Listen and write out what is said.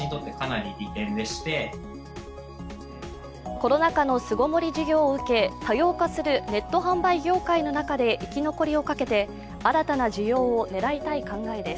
コロナ禍の巣ごもり需要を受け多様化するネット販売業界の中で生き残りをかけて新たな需要を狙いたい考えです。